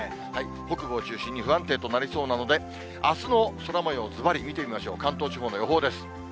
北部を中心に不安定となりそうなので、あすの空もよう、ずばり見てみましょう、関東地方の予報です。